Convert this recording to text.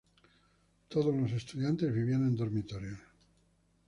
Todos los estudiantes vivían en dormitorios.